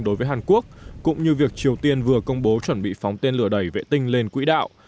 đối với hàn quốc cũng như việc triều tiên vừa công bố chuẩn bị phóng tên lửa đẩy vệ tinh lên quỹ đạo